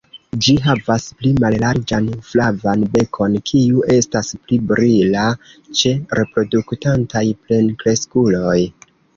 Ĝi havas pli mallarĝan flavan bekon, kiu estas pli brila ĉe reproduktantaj plenkreskuloj.